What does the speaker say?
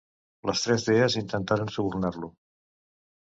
Les tres dees intentaren subornar-lo.